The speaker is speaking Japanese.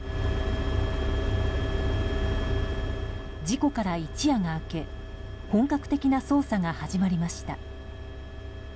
事故から一夜が明け本格的な捜査が始まりました。